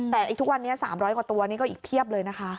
แต่ทุกวันนี้๓๐๐กว่าตัวนี่ก็อีกเพียบเลยนะคะ